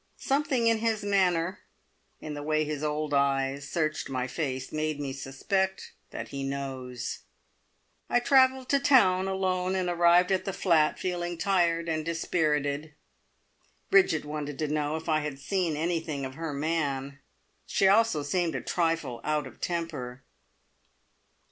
Something in his manner, in the way his old eyes searched my face, made me suspect that he knows. I travelled to town alone, and arrived at the flat feeling tired and dispirited. Bridget wanted to know if I had seen anything of her man. She also seemed a trifle out of temper.